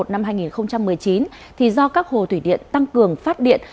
ngày hai mươi bốn tháng một năm hai nghìn một mươi chín thì do các hồ thủy điện tăng cường phát điện